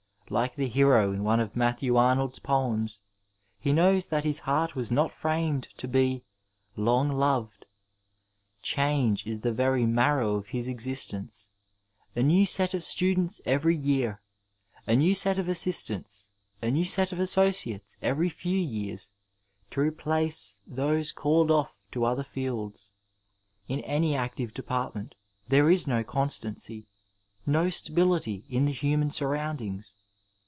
like the hero in one of Matthew Arnold's poems, he knows that his heart was not framed to be ' long loved.' Change is the very marrow of his exist ence — a new set of students every year, a new set of assist ants, a new set of associates every few years to replace those called off to other fields ; in any active depa:rtment there is no constancy, no stability in the human surround ings.